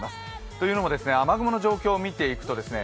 というのも、雨雲の状況を見ていくとですね